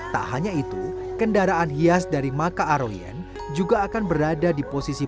tak hanya itu kendaraan hias dari maka aroyen juga akan berada di posisi